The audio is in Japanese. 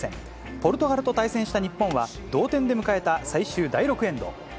ポルトガルと対戦した日本は、同点で迎えた最終第６エンド。